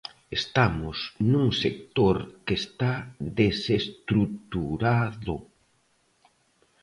Estamos nun sector que está desestruturado.